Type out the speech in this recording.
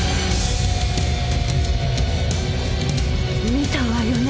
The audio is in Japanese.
見たわよね？